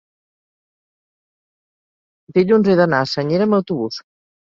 Dilluns he d'anar a Senyera amb autobús.